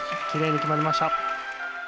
きれいに決まりました。